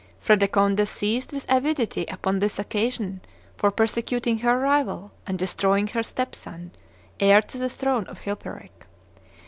Fredegonde seized with avidity upon this occasion for persecuting her rival and destroying her step son, heir to the throne of Chilperic.